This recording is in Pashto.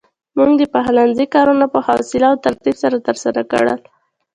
مور د پخلنځي کارونه په حوصله او ترتيب سره ترسره کړل.